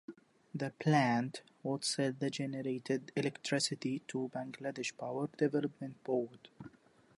The plant would sell the generated electricity to Bangladesh Power Development Board.